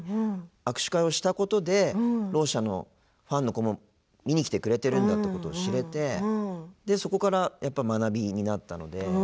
握手会をしたことでろう者のファンの子も見に来てくれてるんだということを知れてそこから、学びになったので。